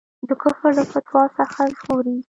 د کفر له فتواوو څخه وژغوري.